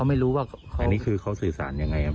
อันนี้คือเขาสื่อสารยังไงอะพี่